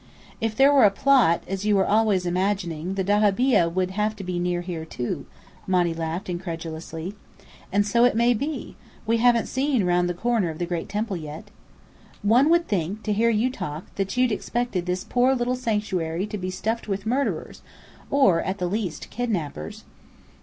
"If there were a plot, as you are always imagining, the dahabeah would have to be near here, too," Monny laughed incredulously. "And so it may be. We haven't seen round the corner of the Great Temple yet." "One would think to hear you talk, that you'd expected this poor little sanctuary to be stuffed with murderers, or at the least, kidnappers."